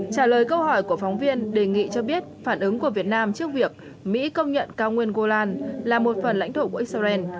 trả lời câu hỏi của phóng viên đề nghị cho biết phản ứng của việt nam trước việc mỹ công nhận cao nguyên golan là một phần lãnh thổ của israel